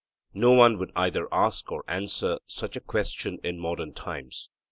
No one would either ask or answer such a question in modern times.